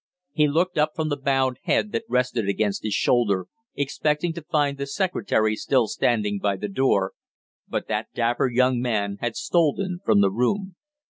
He looked up from the bowed head that rested against his shoulder, expecting to find the secretary still standing by the door, but that dapper young man had stolen from the room.